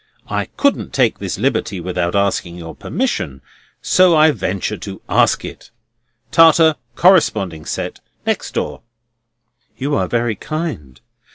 I couldn't take this liberty without asking your permission, so I venture to ask it. Tartar, corresponding set, next door." "You are very kind."